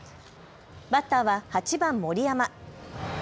バッターは８番・森山。